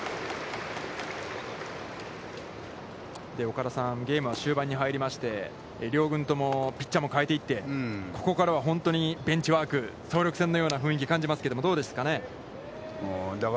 岡田さん、ゲームは終盤に入りまして、両軍ともピッチャーも代えていってここからは本当にベンチワーク総力戦のような雰囲気を感じますけどどうですか。